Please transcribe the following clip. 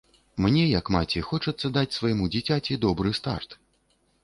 Мне як маці хочацца даць свайму дзіцяці добры старт.